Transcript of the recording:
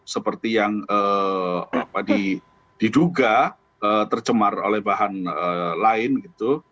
seperti yang diduga tercemar oleh bahan lain gitu